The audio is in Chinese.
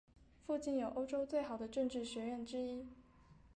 附近有欧洲最好的政治学院之一。